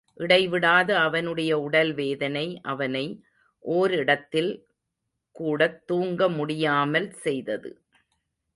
இடைவிடாத அவனுடைய உடல்வேதனை அவனை ஓரிடத்தில் கூடத்துங்க முடியாமல் செய்தது.